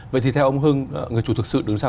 vậy thì theo ông hưng người chủ thực sự đứng sau